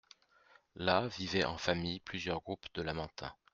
Là vivaient en famille plusieurs groupes de lamantins.